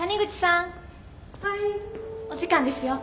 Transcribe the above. お時間ですよ。